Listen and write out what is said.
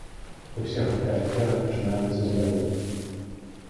Усе гэтыя аферы пачынаюцца здалёку.